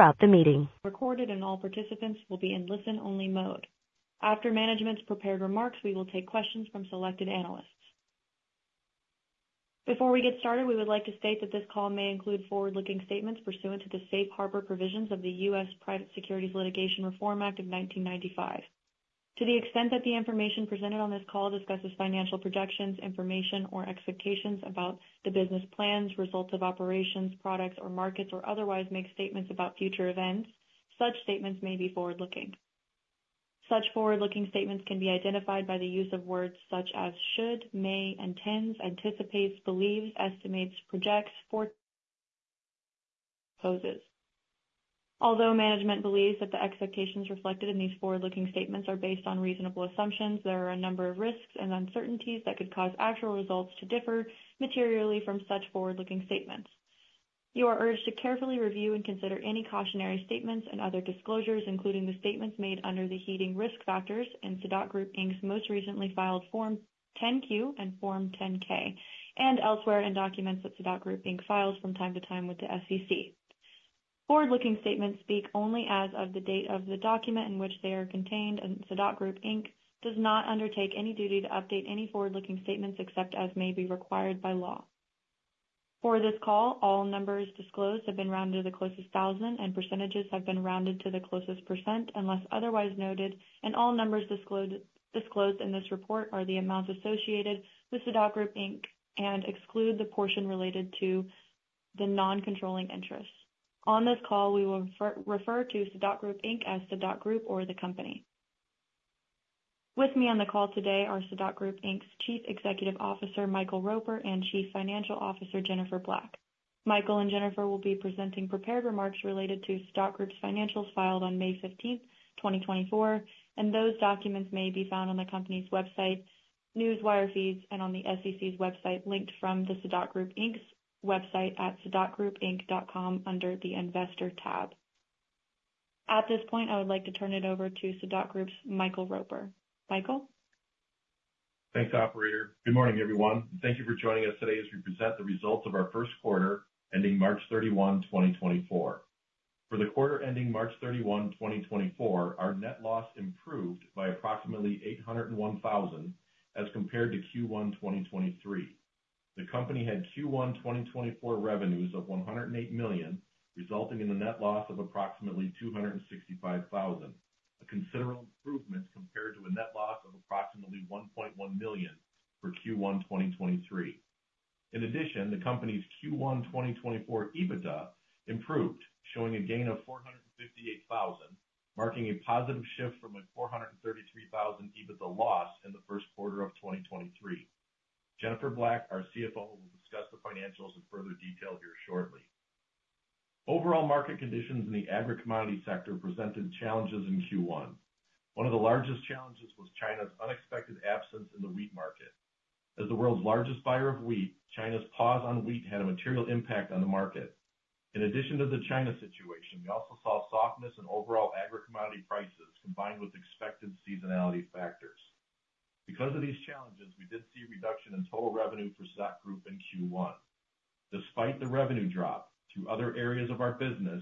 Throughout the meeting. Recorded and all participants will be in listen-only mode. After management's prepared remarks, we will take questions from selected analysts. Before we get started, we would like to state that this call may include forward-looking statements pursuant to the Safe Harbor Provisions of the U.S. Private Securities Litigation Reform Act of 1995. To the extent that the information presented on this call discusses financial projections, information, or expectations about the business plans, results of operations, products, or markets, or otherwise make statements about future events, such statements may be forward-looking. Such forward-looking statements can be identified by the use of words such as should, may, intends, anticipates, believes, estimates, projects, foresees. Although management believes that the expectations reflected in these forward-looking statements are based on reasonable assumptions, there are a number of risks and uncertainties that could cause actual results to differ materially from such forward-looking statements. You are urged to carefully review and consider any cautionary statements and other disclosures, including the statements made under the heading Risk Factors in Sadot Group Inc.'s most recently filed Form 10-Q and Form 10-K, and elsewhere in documents that Sadot Group Inc. files from time to time with the SEC. Forward-looking statements speak only as of the date of the document in which they are contained, and Sadot Group Inc. does not undertake any duty to update any forward-looking statements except as may be required by law. For this call, all numbers disclosed have been rounded to the closest thousand, and percentages have been rounded to the closest percent, unless otherwise noted, and all numbers disclosed in this report are the amounts associated with Sadot Group Inc. and exclude the portion related to the non-controlling interest. On this call, we will refer to Sadot Group Inc. as Sadot Group or the company. With me on the call today are Sadot Group Inc.'s Chief Executive Officer, Michael Roper, and Chief Financial Officer, Jennifer Black. Michael and Jennifer will be presenting prepared remarks related to Sadot Group's financials filed on May 15, 2024, and those documents may be found on the company's website, Newswire feeds, and on the SEC's website, linked from the Sadot Group Inc.'s website at sadotgroupinc.com under the Investor tab. At this point, I would like to turn it over to Sadot Group's Michael Roper. Michael? Thanks, operator. Good morning, everyone. Thank you for joining us today as we present the results of our first quarter, ending March 31, 2024. For the quarter ending March 31, 2024, our net loss improved by approximately $801,000 as compared to Q1 2023. The company had Q1 2024 revenues of $108 million, resulting in a net loss of approximately $265,000, a considerable improvement compared to a net loss of approximately $1.1 million for Q1 2023. In addition, the company's Q1 2024 EBITDA improved, showing a gain of $458,000, marking a positive shift from a $433,000 EBITDA loss in the first quarter of 2023. Jennifer Black, our CFO, will discuss the financials in further detail here shortly. Overall market conditions in the agri-commodity sector presented challenges in Q1. One of the largest challenges was China's unexpected absence in the wheat market. As the world's largest buyer of wheat, China's pause on wheat had a material impact on the market. In addition to the China situation, we also saw softness in overall agri-commodity prices, combined with expected seasonality factors. Because of these challenges, we did see a reduction in total revenue for Sadot Group in Q1. Despite the revenue drop to other areas of our business,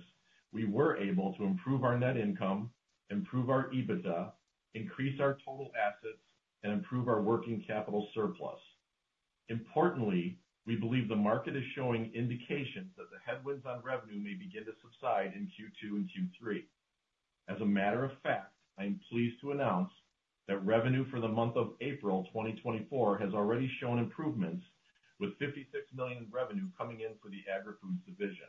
we were able to improve our net income, improve our EBITDA, increase our total assets, and improve our working capital surplus. Importantly, we believe the market is showing indications that the headwinds on revenue may begin to subside in Q2 and Q3. As a matter of fact, I am pleased to announce that revenue for the month of April 2024 has already shown improvements, with $56 million in revenue coming in for the Agri-Foods division.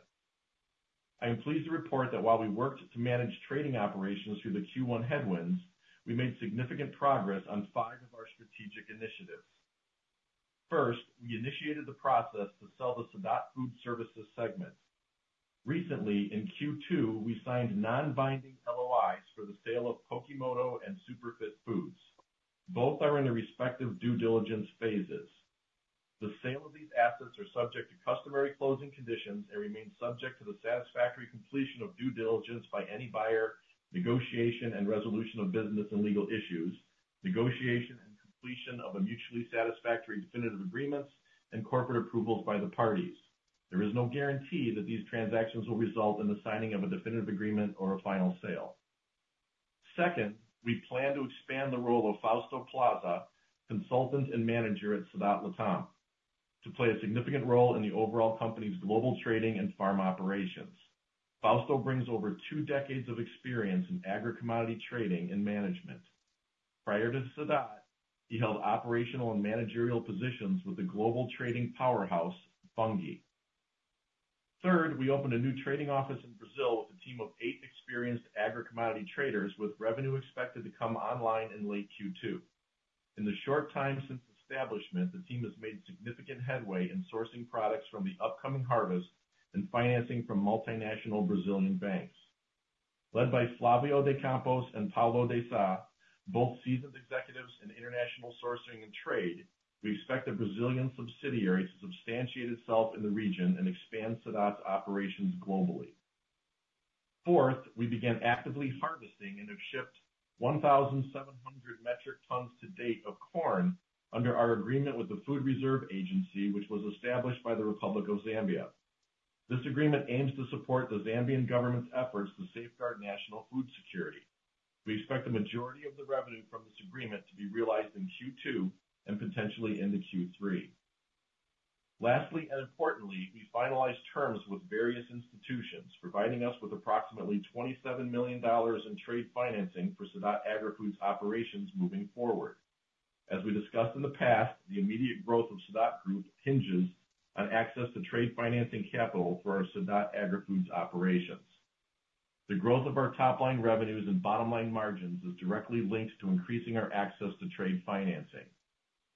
I am pleased to report that while we worked to manage trading operations through the Q1 headwinds, we made significant progress on 5 of our strategic initiatives. First, we initiated the process to sell the Sadot Food Services segment. Recently, in Q2, we signed non-binding LOIs for the sale of Pokemoto and Superfit Foods. Both are in the respective due diligence phases. The sale of these assets are subject to customary closing conditions and remain subject to the satisfactory completion of due diligence by any buyer, negotiation and resolution of business and legal issues, negotiation and completion of a mutually satisfactory definitive agreements and corporate approvals by the parties. There is no guarantee that these transactions will result in the signing of a definitive agreement or a final sale. Second, we plan to expand the role of Fausto Plazas, consultant and manager at Sadot Latam, to play a significant role in the overall company's global trading and farm operations. Fausto brings over two decades of experience in agri-commodity trading and management. Prior to Sadot, he held operational and managerial positions with the global trading powerhouse, Bunge. Third, we opened a new trading office in Brazil with a team of eight experienced agri-commodity traders, with revenue expected to come online in late Q2. In the short time since establishment, the team has made significant headway in sourcing products from the upcoming harvest and financing from multinational Brazilian banks. Led by Flavio de Campos and Paulo de Sá, both seasoned executives in international sourcing and trade, we expect the Brazilian subsidiary to substantiate itself in the region and expand Sadot's operations globally. Fourth, we began actively harvesting and have shipped 1,700 metric tons to date of corn under our agreement with the Food Reserve Agency, which was established by the Republic of Zambia. This agreement aims to support the Zambian government's efforts to safeguard national food security. We expect the majority of the revenue from this agreement to be realized in Q2 and potentially into Q3. Lastly, and importantly, we finalized terms with various institutions, providing us with approximately $27 million in trade financing for Sadot Agri-Foods's operations moving forward. As we discussed in the past, the immediate growth of Sadot Group hinges on access to trade financing capital for our Sadot Agri-Foods operations. The growth of our top-line revenues and bottom-line margins is directly linked to increasing our access to trade financing.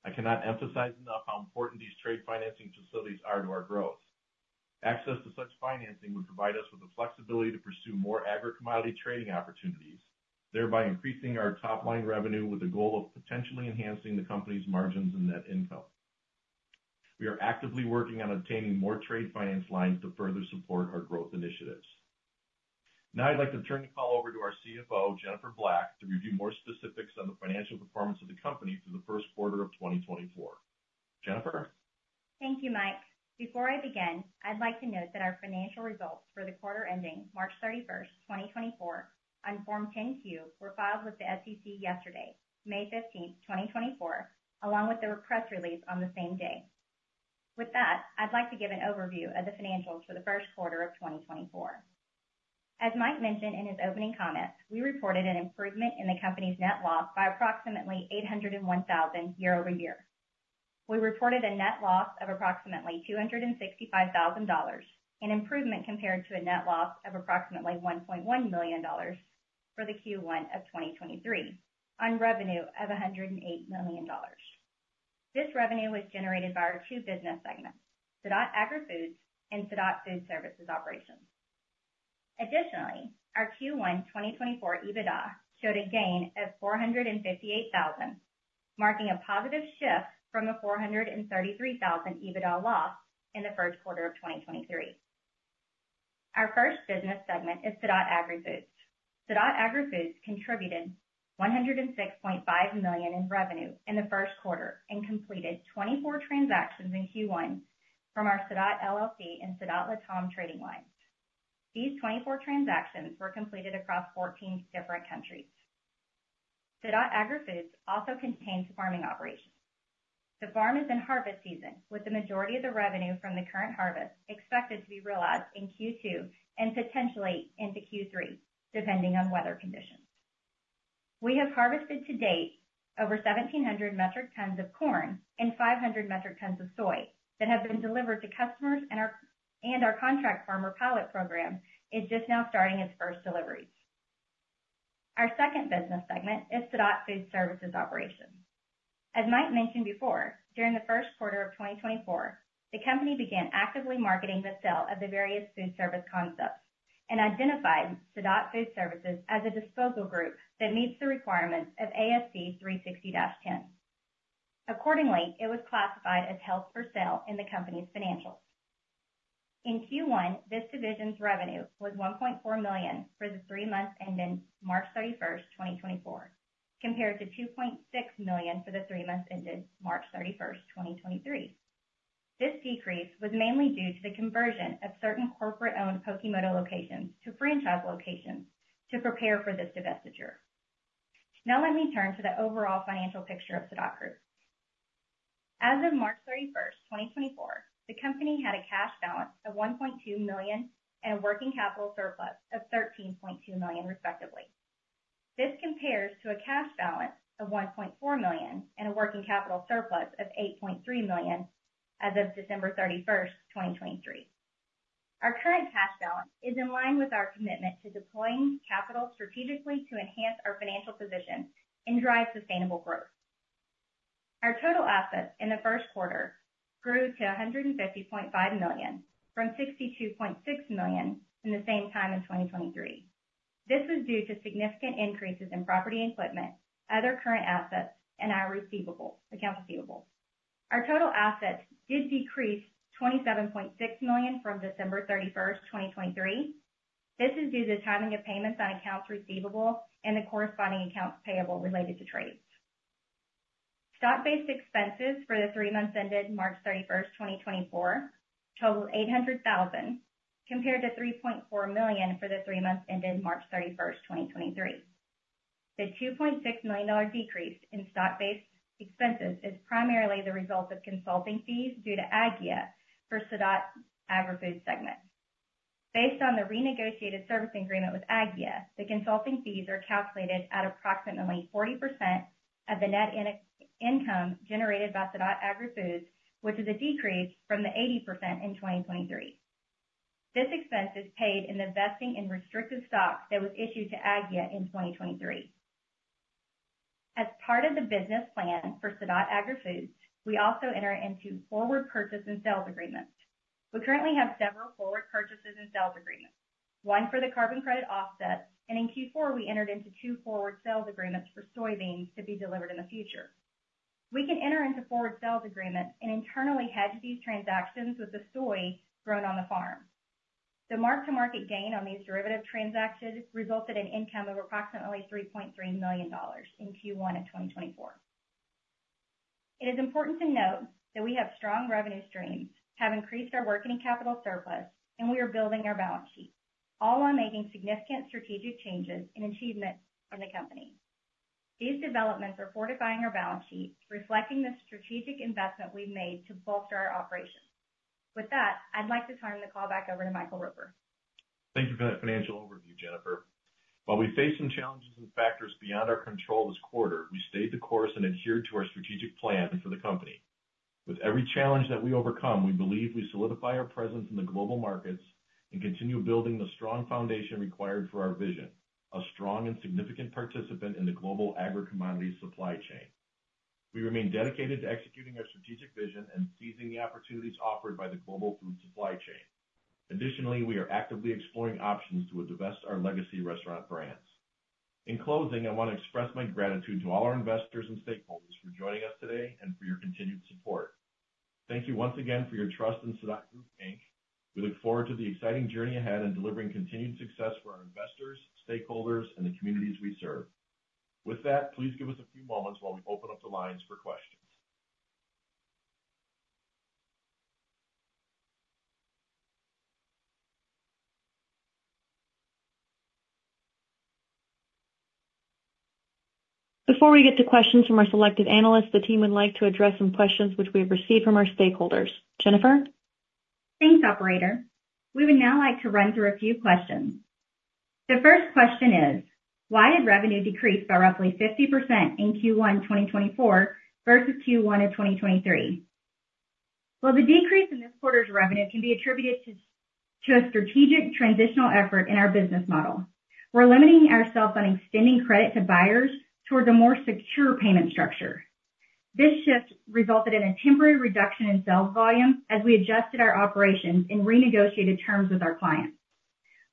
I cannot emphasize enough how important these trade financing facilities are to our growth. Access to such financing would provide us with the flexibility to pursue more agri-commodity trading opportunities, thereby increasing our top-line revenue with the goal of potentially enhancing the company's margins and net income. We are actively working on obtaining more trade finance lines to further support our growth initiatives. Now I'd like to turn the call over to our CFO, Jennifer Black, to review more specifics on the financial performance of the company for the first quarter of 2024. Jennifer? Thank you, Mike. Before I begin, I'd like to note that our financial results for the quarter ending March 31, 2024, on Form 10-Q, were filed with the SEC yesterday, May 15, 2024, along with the press release on the same day. With that, I'd like to give an overview of the financials for the first quarter of 2024. As Mike mentioned in his opening comments, we reported an improvement in the company's net loss by approximately $801,000 year-over-year. We reported a net loss of approximately $265,000, an improvement compared to a net loss of approximately $1.1 million for the Q1 of 2023, on revenue of $108 million. This revenue was generated by our two business segments, Sadot Agri-Foods and Sadot Food Services operations. Additionally, our Q1 2024 EBITDA showed a gain of $458,000, marking a positive shift from the $433,000 EBITDA loss in the first quarter of 2023. Our first business segment is Sadot Agri-Foods. Sadot Agri-Foods contributed $106.5 million in revenue in the first quarter and completed 24 transactions in Q1 from our Sadot LLC and Sadot Latam trading lines. These 24 transactions were completed across 14 different countries. Sadot Agri-Foods also contains farming operations. The farm is in harvest season, with the majority of the revenue from the current harvest expected to be realized in Q2 and potentially into Q3, depending on weather conditions. We have harvested to date over 1,700 metric tons of corn and 500 metric tons of soy that have been delivered to customers and our contract farmer pilot program is just now starting its first deliveries. Our second business segment is Sadot Food Services operations. As Mike mentioned before, during the first quarter of 2024, the company began actively marketing the sale of the various food service concepts and identified Sadot Food Services as a disposal group that meets the requirements of ASC 360-10. Accordingly, it was classified as held for sale in the company's financials. In Q1, this division's revenue was $1.4 million for the three months ending March 31, 2024, compared to $2.6 million for the three months ended March 31, 2023. This decrease was mainly due to the conversion of certain corporate-owned Pokemoto locations to franchise locations to prepare for this divestiture. Now let me turn to the overall financial picture of Sadot Group. As of March 31, 2024, the company had a cash balance of $1.2 million and a working capital surplus of $13.2 million, respectively. This compares to a cash balance of $1.4 million and a working capital surplus of $8.3 million as of December 31, 2023. Our current cash balance is in line with our commitment to deploying capital strategically to enhance our financial position and drive sustainable growth. Our total assets in the first quarter grew to $150.5 million, from $62.6 million in the same time in 2023. This was due to significant increases in property and equipment, other current assets, and our receivables, accounts receivable. Our total assets did decrease $27.6 million from December 31, 2023. This is due to the timing of payments on accounts receivable and the corresponding accounts payable related to trades. Stock-based expenses for the three months ended March 31, 2024, totaled $800,000, compared to $3.4 million for the three months ended March 31, 2023. The $2.6 million decrease in stock-based expenses is primarily the result of consulting fees due to Aggia for Sadot Agri-Foods segment. Based on the renegotiated service agreement with Aggia, the consulting fees are calculated at approximately 40% of the net income generated by Sadot Agri-Foods, which is a decrease from the 80% in 2023. This expense is paid in the vesting and restricted stock that was issued to Aggia in 2023. As part of the business plan for Sadot Agri-Foods, we also enter into forward purchase and sales agreements. We currently have several forward purchases and sales agreements, one for the carbon credit offset, and in Q4, we entered into 2 forward sales agreements for soybeans to be delivered in the future. We can enter into forward sales agreements and internally hedge these transactions with the soy grown on the farm. The mark-to-market gain on these derivative transactions resulted in income of approximately $3.3 million in Q1 of 2024. It is important to note that we have strong revenue streams, have increased our working capital surplus, and we are building our balance sheet, all while making significant strategic changes and achievements in the company. These developments are fortifying our balance sheet, reflecting the strategic investment we've made to bolster our operations. With that, I'd like to turn the call back over to Michael Roper. Thank you for that financial overview, Jennifer. While we faced some challenges and factors beyond our control this quarter, we stayed the course and adhered to our strategic plan for the company. With every challenge that we overcome, we believe we solidify our presence in the global markets and continue building the strong foundation required for our vision, a strong and significant participant in the global agri-commodity supply chain. We remain dedicated to executing our strategic vision and seizing the opportunities offered by the global food supply chain. Additionally, we are actively exploring options to divest our legacy restaurant brands. In closing, I want to express my gratitude to all our investors and stakeholders for joining us today and for your continued support. Thank you once again for your trust in Sadot Group, Inc. We look forward to the exciting journey ahead and delivering continued success for our investors, stakeholders, and the communities we serve. With that, please give us a few moments while we open up the lines for questions. Before we get to questions from our selected analysts, the team would like to address some questions which we have received from our stakeholders. Jennifer? Thanks, operator. We would now like to run through a few questions. The first question is: Why did revenue decrease by roughly 50% in Q1 2024 versus Q1 of 2023? Well, the decrease in this quarter's revenue can be attributed to a strategic transitional effort in our business model. We're limiting ourselves on extending credit to buyers towards a more secure payment structure. This shift resulted in a temporary reduction in sales volume as we adjusted our operations and renegotiated terms with our clients.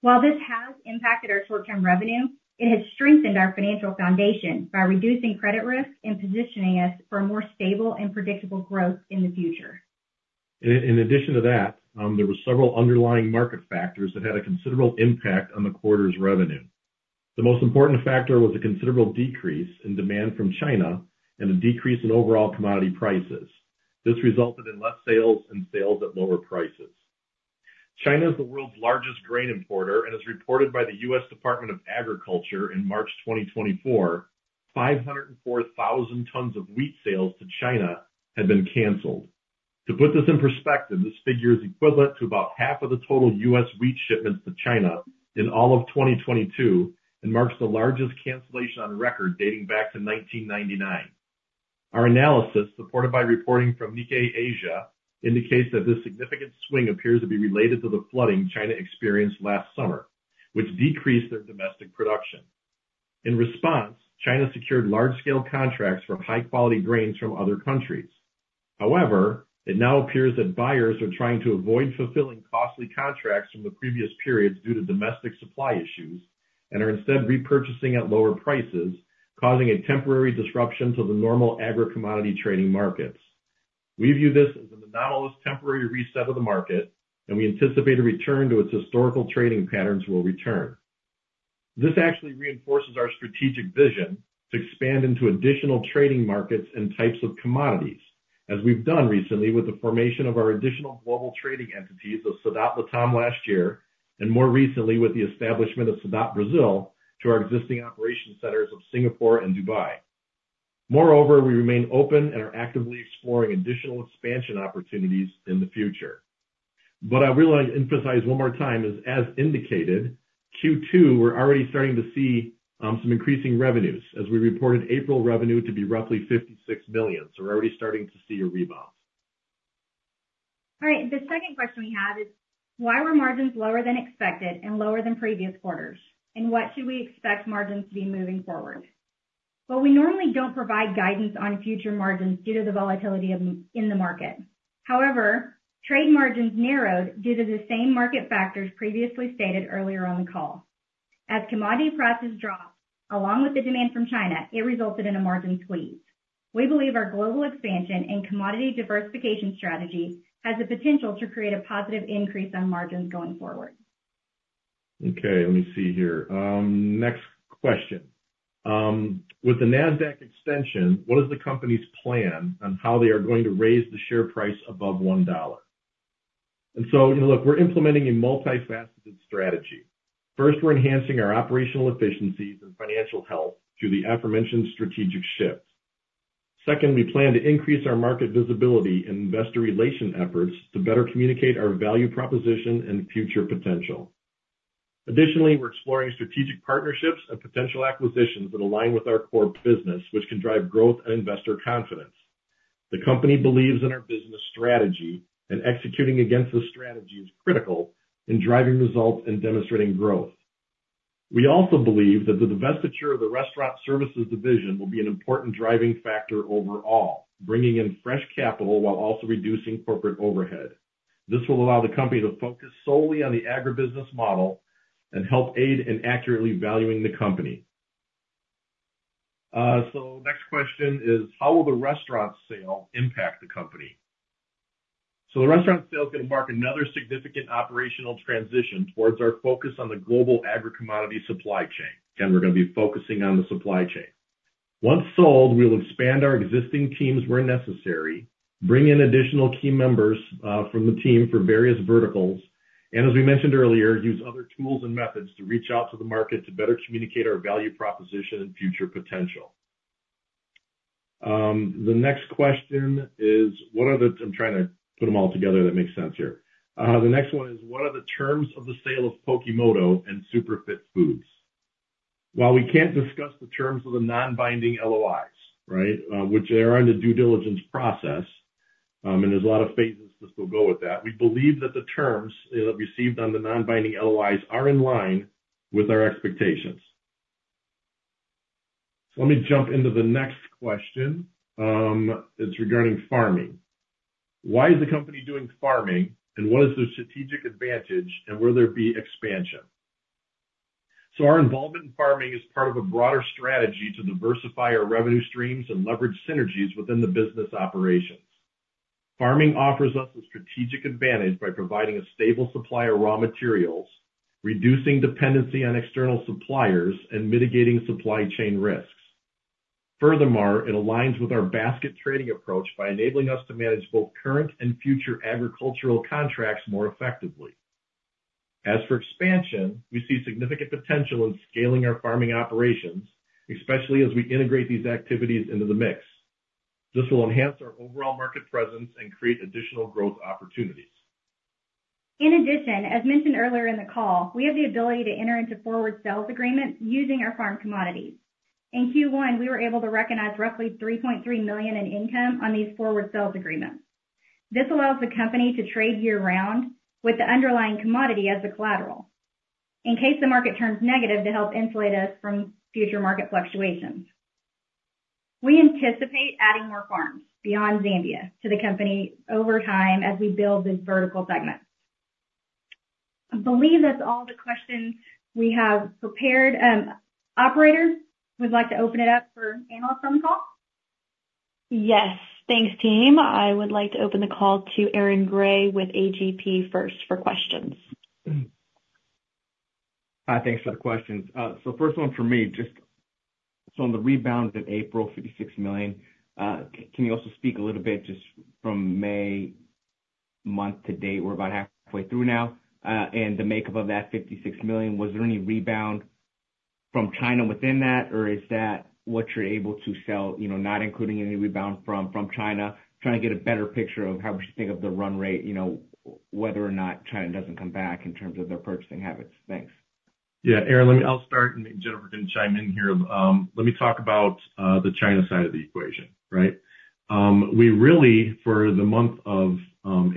While this has impacted our short-term revenue, it has strengthened our financial foundation by reducing credit risk and positioning us for a more stable and predictable growth in the future. In addition to that, there were several underlying market factors that had a considerable impact on the quarter's revenue. The most important factor was a considerable decrease in demand from China and a decrease in overall commodity prices. This resulted in less sales and sales at lower prices. China is the world's largest grain importer, and as reported by the U.S. Department of Agriculture in March 2024, 504,000 tons of wheat sales to China had been canceled. To put this in perspective, this figure is equivalent to about half of the total US wheat shipments to China in all of 2022 and marks the largest cancellation on record dating back to 1999. Our analysis, supported by reporting from Nikkei Asia, indicates that this significant swing appears to be related to the flooding China experienced last summer, which decreased their domestic production. In response, China secured large-scale contracts for high-quality grains from other countries. However, it now appears that buyers are trying to avoid fulfilling costly contracts from the previous periods due to domestic supply issues and are instead repurchasing at lower prices, causing a temporary disruption to the normal agri-commodity trading markets. We view this as an anomalous temporary reset of the market, and we anticipate a return to its historical trading patterns will return. This actually reinforces our strategic vision to expand into additional trading markets and types of commodities, as we've done recently with the formation of our additional global trading entities of Sadot Latam last year, and more recently, with the establishment of Sadot Brazil to our existing operation centers of Singapore and Dubai. Moreover, we remain open and are actively exploring additional expansion opportunities in the future. What I really want to emphasize one more time is, as indicated, Q2, we're already starting to see some increasing revenues as we reported April revenue to be roughly $56 million. So we're already starting to see a rebound. All right. The second question we have is: Why were margins lower than expected and lower than previous quarters? And what should we expect margins to be moving forward? Well, we normally don't provide guidance on future margins due to the volatility in the market. However, trade margins narrowed due to the same market factors previously stated earlier on the call. As commodity prices dropped, along with the demand from China, it resulted in a margin squeeze. We believe our global expansion and commodity diversification strategy has the potential to create a positive increase on margins going forward. Okay, let me see here. Next question. With the Nasdaq extension, what is the company's plan on how they are going to raise the share price above one dollar? And so, you know, look, we're implementing a multifaceted strategy. First, we're enhancing our operational efficiencies and financial health through the aforementioned strategic shift. Second, we plan to increase our market visibility and investor relation efforts to better communicate our value proposition and future potential. Additionally, we're exploring strategic partnerships and potential acquisitions that align with our core business, which can drive growth and investor confidence. The company believes in our business strategy, and executing against this strategy is critical in driving results and demonstrating growth. We also believe that the divestiture of the restaurant services division will be an important driving factor overall, bringing in fresh capital while also reducing corporate overhead. This will allow the company to focus solely on the agribusiness model and help aid in accurately valuing the company... So next question is: how will the restaurant sale impact the company? So the restaurant sale is gonna mark another significant operational transition towards our focus on the global agri commodity supply chain, and we're gonna be focusing on the supply chain. Once sold, we'll expand our existing teams where necessary, bring in additional key members from the team for various verticals, and as we mentioned earlier, use other tools and methods to reach out to the market to better communicate our value proposition and future potential. The next question is: I'm trying to put them all together that makes sense here. The next one is: what are the terms of the sale of Pokemoto and Superfit Foods? While we can't discuss the terms of the non-binding LOIs, right, and there's a lot of phases that still go with that, we believe that the terms that we received on the non-binding LOIs are in line with our expectations. So let me jump into the next question. It's regarding farming. Why is the company doing farming, and what is the strategic advantage, and will there be expansion? So our involvement in farming is part of a broader strategy to diversify our revenue streams and leverage synergies within the business operations. Farming offers us a strategic advantage by providing a stable supply of raw materials, reducing dependency on external suppliers, and mitigating supply chain risks. Furthermore, it aligns with our basket trading approach by enabling us to manage both current and future agricultural contracts more effectively. As for expansion, we see significant potential in scaling our farming operations, especially as we integrate these activities into the mix. This will enhance our overall market presence and create additional growth opportunities. In addition, as mentioned earlier in the call, we have the ability to enter into forward sales agreements using our farm commodities. In Q1, we were able to recognize roughly $3.3 million in income on these forward sales agreements. This allows the company to trade year round with the underlying commodity as the collateral. In case the market turns negative, to help insulate us from future market fluctuations. We anticipate adding more farms beyond Zambia to the company over time as we build this vertical segment. I believe that's all the questions we have prepared. Operator, would like to open it up for analysts on the call? Yes. Thanks, team. I would like to open the call to Aaron Gray with AGP first for questions. Hi, thanks for the questions. So first one for me, just so on the rebound in April, $56 million, can you also speak a little bit just from May month to date? We're about halfway through now. And the makeup of that $56 million, was there any rebound from China within that, or is that what you're able to sell, you know, not including any rebound from China? Trying to get a better picture of how we should think of the run rate, you know, whether or not China doesn't come back in terms of their purchasing habits. Thanks. Yeah, Aaron, let me—I'll start, and maybe Jennifer can chime in here. Let me talk about the China side of the equation, right? We really, for the month of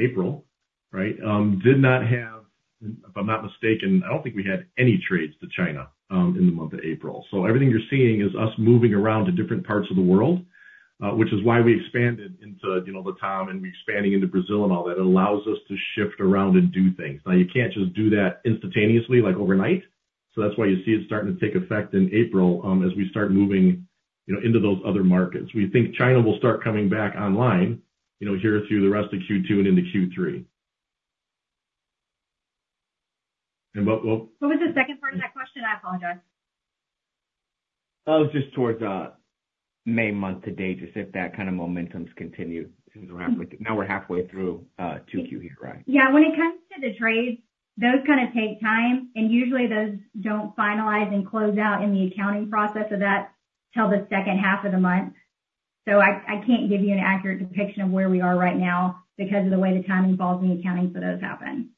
April, right, did not have, if I'm not mistaken, I don't think we had any trades to China in the month of April. So everything you're seeing is us moving around to different parts of the world, which is why we expanded into, you know, Vietnam, and we're expanding into Brazil and all that. It allows us to shift around and do things. Now, you can't just do that instantaneously, like, overnight. So that's why you see it starting to take effect in April as we start moving, you know, into those other markets. We think China will start coming back online, you know, here through the rest of Q2 and into Q3. And what, what- What was the second part of that question? I apologize. It was just towards May month to date, just if that kind of momentum's continued since we're halfway, now we're halfway through 2Q here, right. Yeah. When it comes to the trades, those kind of take time, and usually those don't finalize and close out in the accounting process of that till the second half of the month. So I can't give you an accurate depiction of where we are right now because of the way the timing falls and the accounting for those happen.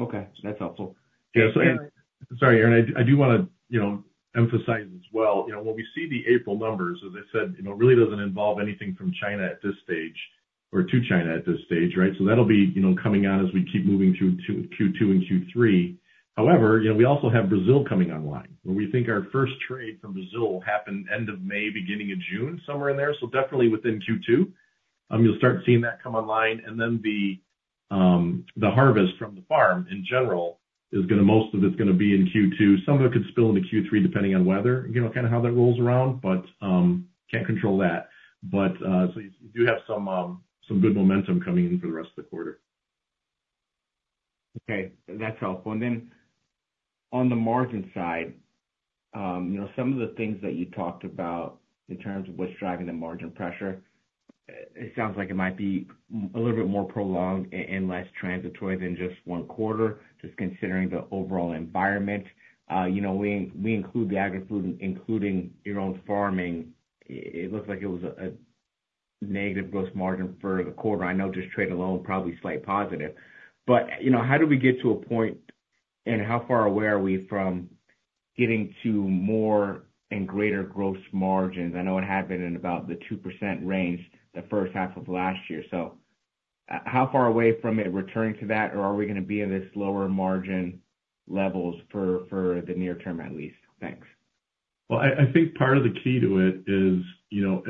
Okay. That's helpful. Yeah. So, and sorry, Aaron, I, I do wanna, you know, emphasize as well, you know, when we see the April numbers, as I said, you know, it really doesn't involve anything from China at this stage or to China at this stage, right? So that'll be, you know, coming out as we keep moving through Q2 and Q3. However, you know, we also have Brazil coming online, and we think our first trade from Brazil will happen end of May, beginning of June, somewhere in there, so definitely within Q2. You'll start seeing that come online, and then the, the harvest from the farm in general is gonna, most of it's gonna be in Q2. Some of it could spill into Q3, depending on weather, you know, kind of how that rolls around, but, can't control that. So we do have some good momentum coming in for the rest of the quarter. Okay, that's helpful. And then on the margin side, you know, some of the things that you talked about in terms of what's driving the margin pressure, it sounds like it might be a little bit more prolonged and less transitory than just one quarter, just considering the overall environment. You know, we include the agri food, including your own farming. It looks like it was a negative gross margin for the quarter. I know just trade alone, probably slight positive. But, you know, how do we get to a point, and how far away are we from getting to more and greater gross margins? I know it had been in about the 2% range the first half of last year. So how far away from it returning to that, or are we gonna be in this lower margin levels for the near term at least? Thanks. Well, I think part of the key to it is, you know,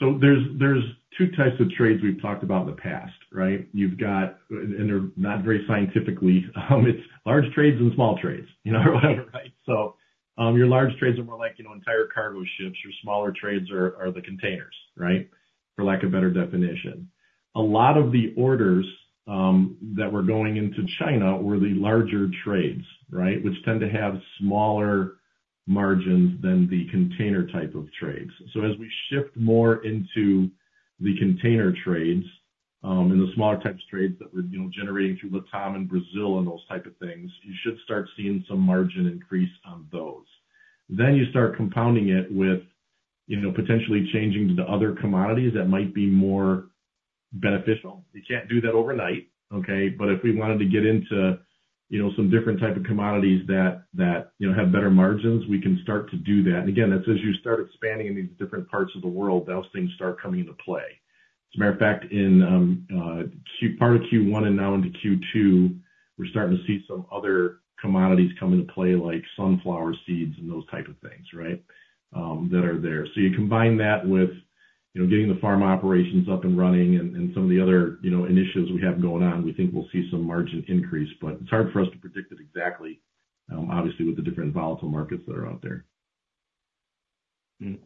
so there's two types of trades we've talked about in the past, right? You've got, and they're not very scientifically, it's large trades and small trades, you know, right? So, your large trades are more like, you know, entire cargo ships. Your smaller trades are the containers, right? For lack of a better definition... a lot of the orders that were going into China were the larger trades, right? Which tend to have smaller margins than the container type of trades. So as we shift more into the container trades, and the smaller type of trades that we're, you know, generating through LATAM and Brazil and those type of things, you should start seeing some margin increase on those. Then you start compounding it with, you know, potentially changing to the other commodities that might be more beneficial. You can't do that overnight, okay? But if we wanted to get into, you know, some different type of commodities that, you know, have better margins, we can start to do that. And again, that's as you start expanding in these different parts of the world, those things start coming into play. As a matter of fact, in part of Q1 and now into Q2, we're starting to see some other commodities come into play, like sunflower seeds and those type of things, right? That are there. So you combine that with, you know, getting the farm operations up and running and some of the other, you know, initiatives we have going on, we think we'll see some margin increase, but it's hard for us to predict it exactly, obviously, with the different volatile markets that are out there.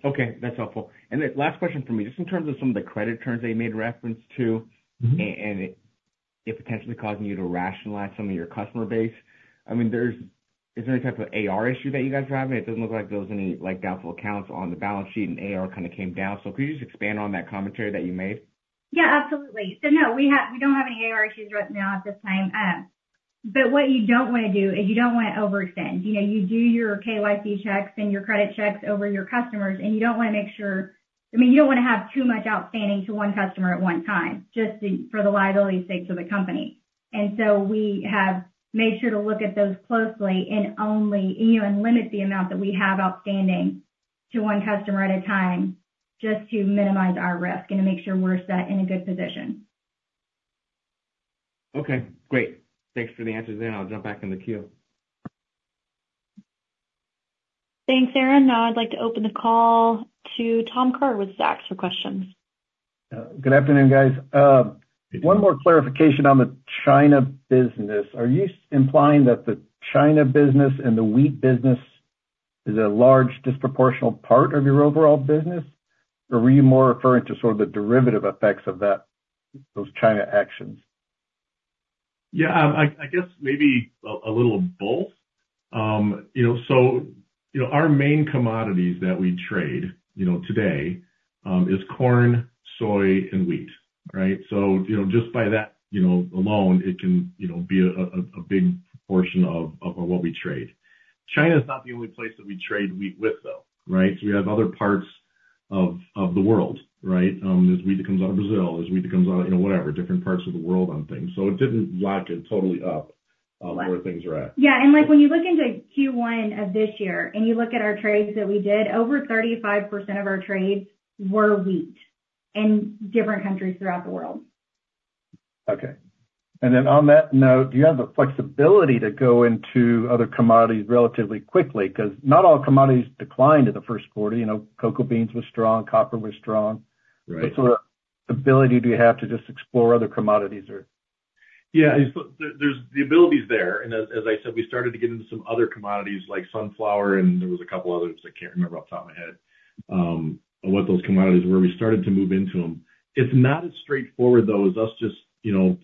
Okay, that's helpful. Then last question for me. Just in terms of some of the credit terms that you made reference to- And it potentially causing you to rationalize some of your customer base. I mean, is there any type of AR issue that you guys are having? It doesn't look like there was any, like, doubtful accounts on the balance sheet, and AR kind of came down. So could you just expand on that commentary that you made? Yeah, absolutely. So no, we have—we don't have any AR issues right now at this time. But what you don't wanna do is you don't wanna overextend. You know, you do your KYC checks and your credit checks over your customers, and I mean, you don't wanna have too much outstanding to one customer at one time, just to, for the liability sakes of the company. And so we have made sure to look at those closely and only, you know, and limit the amount that we have outstanding to one customer at a time, just to minimize our risk and to make sure we're set in a good position. Okay, great. Thanks for the answers there. I'll jump back in the queue. Thanks, Aaron. Now, I'd like to open the call to Tom with Zacks for questions. Good afternoon, guys. Good afternoon. One more clarification on the China business. Are you implying that the China business and the wheat business is a large disproportional part of your overall business? Or were you more referring to sort of the derivative effects of that, those China actions? Yeah, I guess maybe a little of both. You know, so, you know, our main commodities that we trade, you know, today, is corn, soy and wheat, right? So, you know, just by that, you know, alone, it can, you know, be a big portion of what we trade. China is not the only place that we trade wheat with, though, right? So we have other parts of the world, right? There's wheat that comes out of Brazil, there's wheat that comes out of, you know, whatever, different parts of the world on things. So it didn't lock it totally up, where things are at. Yeah, and like, when you look into Q1 of this year, and you look at our trades that we did, over 35% of our trades were wheat in different countries throughout the world. Okay. And then on that note, do you have the flexibility to go into other commodities relatively quickly? Because not all commodities declined in the first quarter. You know, cocoa beans was strong, copper was strong. Right. What sort of ability do you have to just explore other commodities or? Yeah, so there, there's the ability is there, and as I said, we started to get into some other commodities like sunflower, and there was a couple others I can't remember off the top of my head what those commodities were. We started to move into them. It's not as straightforward, though, as us just, you know,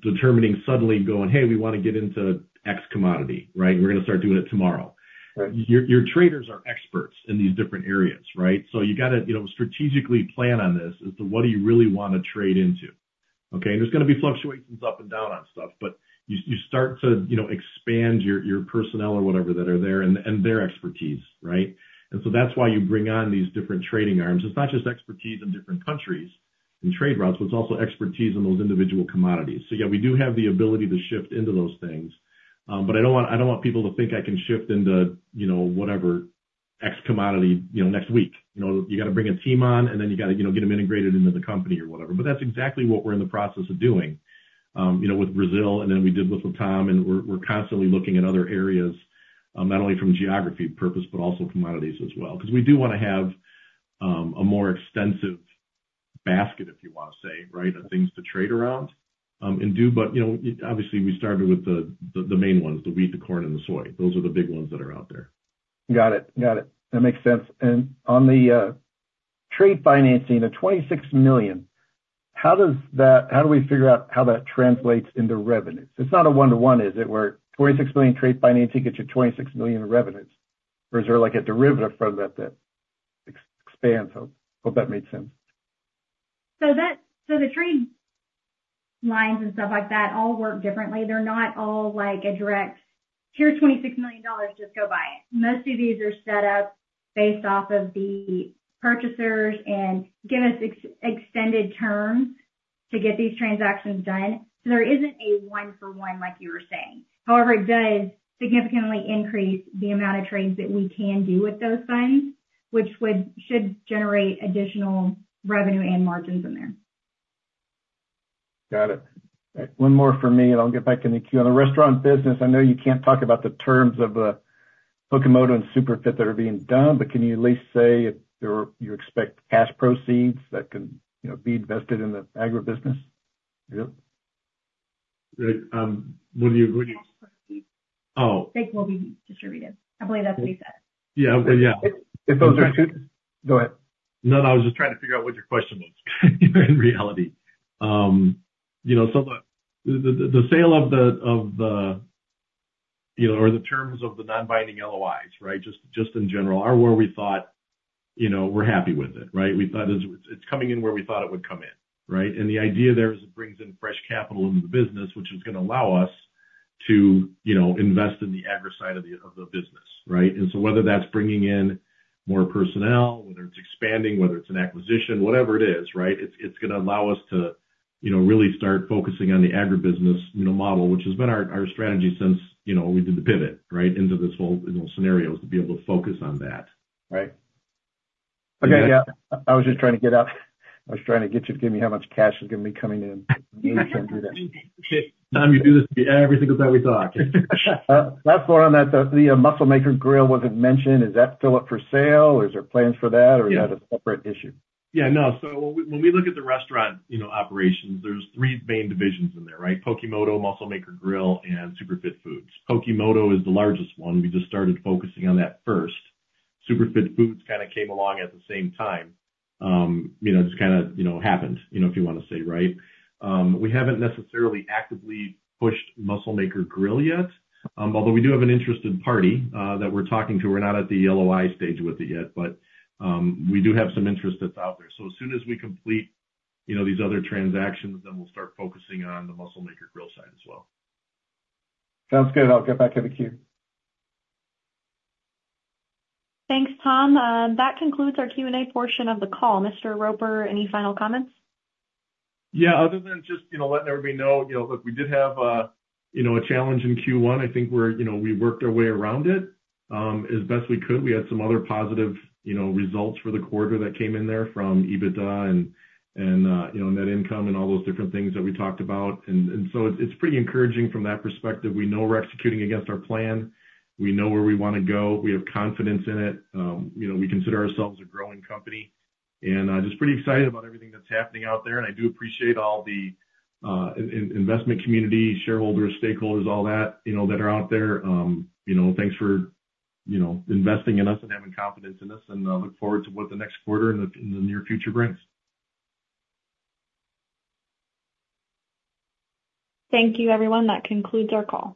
determining suddenly going, "Hey, we want to get into X commodity," right? "We're gonna start doing it tomorrow. Right. Your traders are experts in these different areas, right? So you gotta, you know, strategically plan on this as to what do you really wanna trade into. Okay? There's gonna be fluctuations up and down on stuff, but you start to, you know, expand your personnel or whatever that are there, and their expertise, right? And so that's why you bring on these different trading arms. It's not just expertise in different countries and trade routes, but it's also expertise in those individual commodities. So yeah, we do have the ability to shift into those things. But I don't want, I don't want people to think I can shift into, you know, whatever, X commodity, you know, next week. You know, you gotta bring a team on, and then you gotta, you know, get them integrated into the company or whatever. But that's exactly what we're in the process of doing, you know, with Brazil, and then we did with LATAM, and we're constantly looking at other areas, not only from a geography purpose, but also commodities as well. Because we do wanna have a more extensive basket, if you wanna say, right, of things to trade around, and do. But, you know, obviously, we started with the main ones, the wheat, the corn, and the soy. Those are the big ones that are out there. Got it. Got it. That makes sense. And on the trade financing, the $26 million, how does that, how do we figure out how that translates into revenues? It's not a one-to-one, is it, where $26 million trade financing gets you $26 million in revenues, or is there, like, a derivative from that that expands? Hope that makes sense. So the trade lines and stuff like that all work differently. They're not all like a direct, "Here's $26 million, just go buy it." Most of these are set up based off of the purchasers and give us extended terms to get these transactions done. So there isn't a one for one, like you were saying. However, it does significantly increase the amount of trades that we can do with those funds, which should generate additional revenue and margins in there. Got it. One more for me, and I'll get back in the queue. On the restaurant business, I know you can't talk about the terms of the Pokemoto and Superfit Foods that are being done, but can you at least say if you expect cash proceeds that can, you know, be invested in the agribusiness deal?... Right, what do you- Oh. They will be distributed. I believe that's what he said. Yeah. But yeah. If those are two-- Go ahead. No, I was just trying to figure out what your question was in reality. You know, so the sale of the, you know, or the terms of the non-binding LOIs, right, just in general, are where we thought, you know, we're happy with it, right? We thought it's coming in where we thought it would come in, right? And the idea there is it brings in fresh capital into the business, which is gonna allow us to, you know, invest in the agri side of the business, right? Whether that's bringing in more personnel, whether it's expanding, whether it's an acquisition, whatever it is, right, it's, it's gonna allow us to, you know, really start focusing on the agribusiness, you know, model, which has been our, our strategy since, you know, we did the pivot, right, into this whole, you know, scenario, to be able to focus on that. Right. Okay, yeah. I was just trying to get out... I was trying to get you to give me how much cash is gonna be coming in. Time you do this every single time we talk. Last one on that, the Muscle Maker Grill wasn't mentioned. Is that still up for sale, or is there plans for that, or is that a separate issue? Yeah, no. So when we look at the restaurant, you know, operations, there's three main divisions in there, right? Pokemoto, Muscle Maker Grill, and Superfit Foods. Pokemoto is the largest one. We just started focusing on that first. Superfit Foods kind of came along at the same time. You know, just kind of, you know, happened, you know, if you want to say, right? We haven't necessarily actively pushed Muscle Maker Grill yet, although we do have an interested party that we're talking to. We're not at the LOI stage with it yet, but we do have some interest that's out there. So as soon as we complete, you know, these other transactions, then we'll start focusing on the Muscle Maker Grill side as well. Sounds good. I'll get back in the queue. Thanks, Tom. That concludes our Q&A portion of the call. Mr. Roper, any final comments? Yeah, other than just, you know, letting everybody know, you know, look, we did have a, you know, a challenge in Q1. I think we're, you know, we worked our way around it, as best we could. We had some other positive, you know, results for the quarter that came in there from EBITDA and, and, you know, net income and all those different things that we talked about. And so it's pretty encouraging from that perspective. We know we're executing against our plan. We know where we wanna go. We have confidence in it. You know, we consider ourselves a growing company, and just pretty excited about everything that's happening out there. And I do appreciate all the investment community, shareholders, stakeholders, all that, you know, that are out there. You know, thanks for, you know, investing in us and having confidence in us, and I look forward to what the next quarter and the, and the near future brings. Thank you, everyone. That concludes our call.